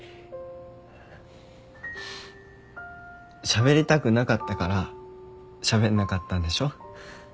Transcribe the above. しゃべりたくなかったからしゃべんなかったんでしょ？